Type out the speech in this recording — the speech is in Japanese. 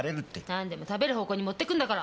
何でも食べる方向に持ってくんだから。